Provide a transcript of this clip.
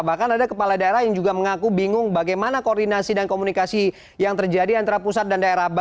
bahkan ada kepala daerah yang juga mengaku bingung bagaimana koordinasi dan komunikasi yang terjadi antara pusat dan daerah